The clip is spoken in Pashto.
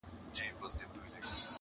ناسته کونه تر قاضي لا هوښياره ده.